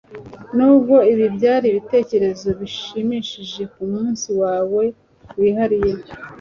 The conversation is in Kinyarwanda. nubwo ibi byari ibitekerezo bishimishije kumunsi wawe wihariye